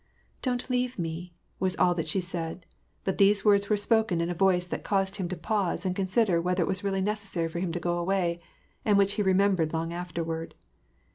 <^ Don't leave me," was all that she said ; but these words were spoken in a voice that caused him to pause and consider whether it were really necessary for him to go away, and which he remembered long afterward.